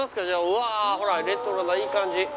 うわあほらレトロないい感じ！